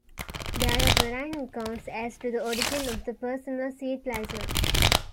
There are varying accounts as to the origin of the personal seat license.